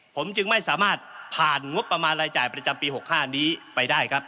ผมจึงไม่สามารถผ่านงบประมาณรายจ่ายประจำปี๖๕นี้ไปได้ครับ